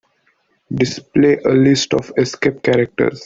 Display a list of escape characters.